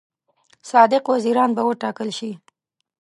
صادق وزیران به وټاکل شي.